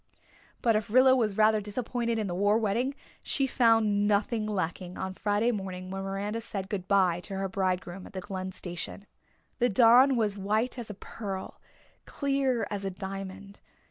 But if Rilla was rather disappointed in the war wedding she found nothing lacking on Friday morning when Miranda said good bye to her bridegroom at the Glen station. The dawn was white as a pearl, clear as a diamond.